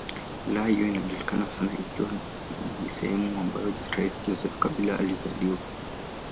Wilaya hiyo inajulikana sana ikiwa ni sehemu ambayo rais Joseph Kabila alizaliwa.